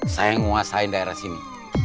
saya nguasain daerah sini